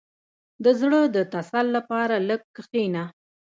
• د زړۀ د تسل لپاره لږ کښېنه.